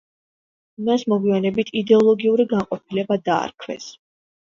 მას მოგვიანებით იდეოლოგიური განყოფილება დაარქვეს.